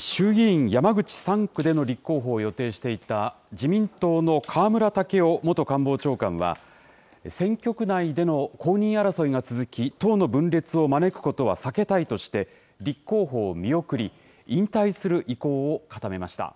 衆議院山口３区での立候補を予定していた、自民党の河村建夫元官房長官は、選挙区内での公認争いが続き、党の分裂を招くことは避けたいとして、立候補を見送り、引退する意向を固めました。